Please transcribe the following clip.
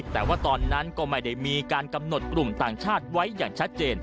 แต่ว่าตอนนั้นก็ไม่ได้มีการกำหนดกลุ่มต่างชาติไว้อย่างชัดเจน